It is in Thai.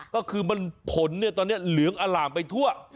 ก็คือมันผลลึงอล่างไปทั่ว